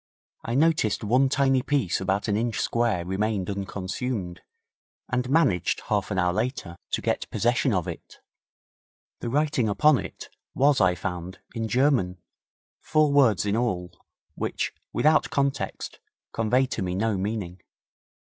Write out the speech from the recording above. I noticed one tiny piece about an inch square remained unconsumed, and managed, half an hour later, to get possession of it. The writing upon it was, I found, in German, four words in all, which, without context, conveyed to me no meaning.